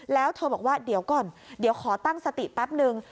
แล้วเธอบอกว่าเดี๋ยวก่อนเดี๋ยวขอตั้งสติแป๊บนึง